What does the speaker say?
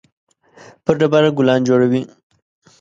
پر ډبره ګلان جوړوي